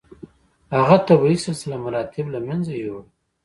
هغه طبیعي سلسله مراتب له منځه یووړه.